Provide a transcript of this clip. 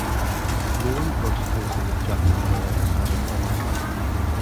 Lewin works closely with Jack McCoy and Abbie Carmichael.